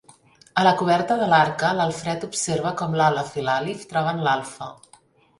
A la coberta de l'Arca l'Alfred observa com l'Àlef i l'Àlif troben l'Alfa.